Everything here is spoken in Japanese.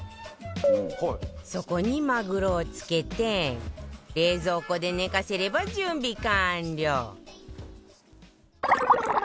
そこにマグロを漬けて冷蔵庫で寝かせれば準備完了